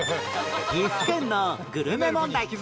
岐阜県のグルメ問題